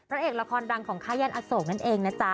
รัฐเอกราคลธรรมของคายันอะโศกนั้นเอง